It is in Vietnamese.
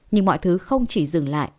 nhưng mọi thứ không chỉ dừng lại